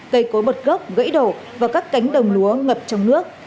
cây cối bật gốc gãy đổ vào các cánh đồng lúa ngập trong nước